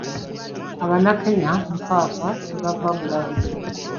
Abannakenya nfaafa tebava Bulange.